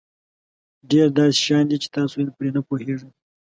ډېر داسې شیان دي چې تاسو پرې نه پوهېږئ.